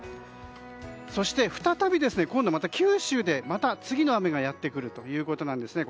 そして、再び今度は九州で次の雨がやってくるということですね。